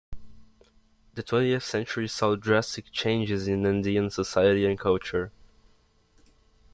The twentieth century saw drastic changes in Andean society and culture.